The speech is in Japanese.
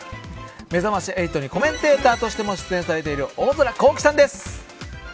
めざまし８にコメンテーターとしても出演されている大空幸星さんです。